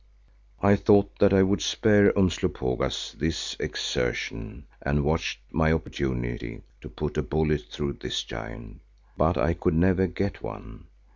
I thought that I would spare Umslopogaas this exertion and watched my opportunity to put a bullet through this giant. But I could never get one.